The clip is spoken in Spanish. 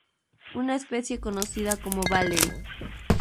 Una especie conocida como Valery.